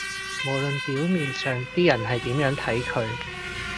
無論表面上啲人係點樣睇佢